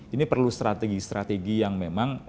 ini perlu strategi strategi yang memang